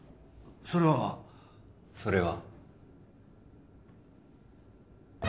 それはそれは？